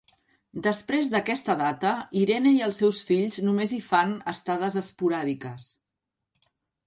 Després d'aquesta data, Irene i els seus fills només hi fan estades esporàdiques.